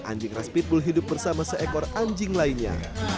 anjing ras pitbull hidup bersama seekor anjing lainnya